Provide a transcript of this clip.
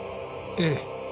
ええ。